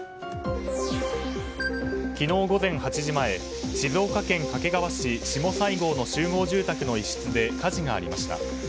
昨日午前８時前静岡県掛川市下西郷の集合住宅の一室で火事がありました。